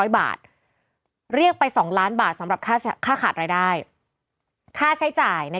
๐บาทเรียกไป๒ล้านบาทสำหรับค่าขาดรายได้ค่าใช้จ่ายใน